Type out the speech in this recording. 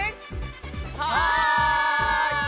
はい！